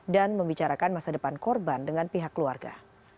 dan membicarakan masa depan korban dengan pihak keluarga